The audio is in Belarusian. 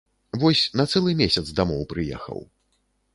Вось на цэлы месяц дамоў прыехаў.